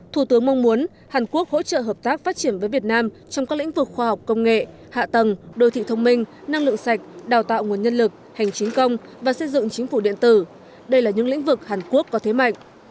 thủ tướng mong muốn hàn quốc hỗ trợ hợp tác phát triển với việt nam trong các lĩnh vực khoa học công nghệ hạ tầng đô thị thông minh năng lượng sạch đào tạo nguồn nhân lực hành chính công và xây dựng chính phủ điện tử đây là những lĩnh vực hàn quốc có thế mạnh